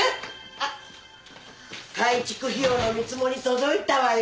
あっ改築費用の見積もり届いたわよ。